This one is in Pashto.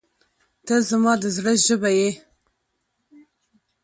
• ته زما د زړه ژبه یې.